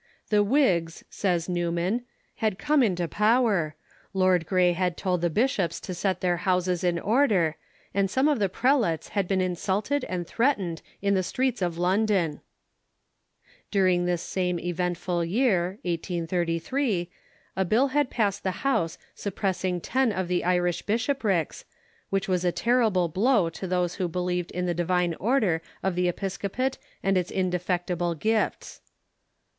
"The Whigs," says Newman, " had come into power. Lord Grey had told the bishops to set their houses in order, and some of the prelates had been insulted and threatened in the streets of London," During this same eventful year, 1833, a bill had passed the House sup pressing ten of the Irish bishoprics, which was a terrible blow to those who believed in the divine order of the episcopate and its indefectible gifts.